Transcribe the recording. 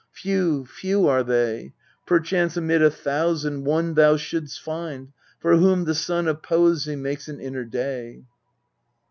Few, few are they Perchance amid a thousand one Thou shouldest find for whom the sun Of poesy makes an inner day.